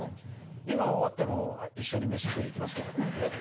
今は終わっても一緒に飯食いに行きますけどね。